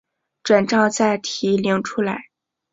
转帐再提领出来